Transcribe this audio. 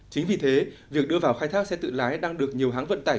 chính vì thế việc đưa vào khai thác xe tự lái đang được nhiều hãng vận tải